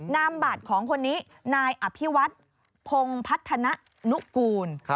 นามบัตรของคนนี้นายอภิวัฒน์พงพัฒนุกูล